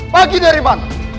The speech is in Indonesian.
pagi dari mana